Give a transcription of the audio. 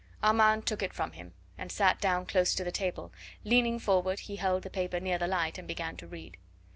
Armand took it from him, and sat down close to the table; leaning forward he held the paper near the light, and began to read.